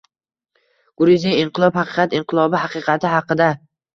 Gruziya: Inqilob haqiqat inqilobi haqiqati haqida